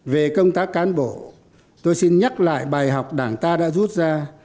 về công tác cán bộ tôi xin nhắc lại bài học đảng ta đã rút ra